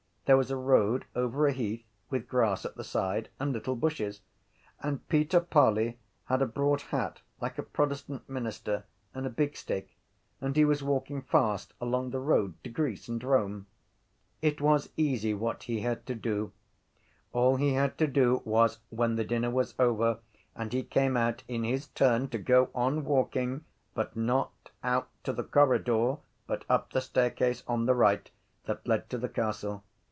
There was a road over a heath with grass at the side and little bushes: and Peter Parley had a broad hat like a protestant minister and a big stick and he was walking fast along the road to Greece and Rome. It was easy what he had to do. All he had to do was when the dinner was over and he came out in his turn to go on walking but not out to the corridor but up the staircase on the right that led to the castle.